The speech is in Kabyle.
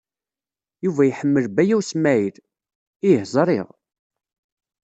Yuba iḥemmel Baya U Smaɛil. Ih, ẓriɣ.